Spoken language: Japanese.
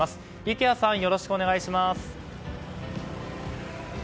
池谷さん、よろしくお願いします。